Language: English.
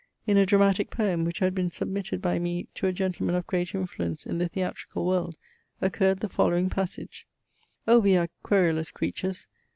In a dramatic poem, which had been submitted by me to a gentleman of great influence in the theatrical world, occurred the following passage: "O we are querulous creatures!